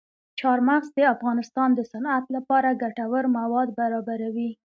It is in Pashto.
چار مغز د افغانستان د صنعت لپاره ګټور مواد برابروي.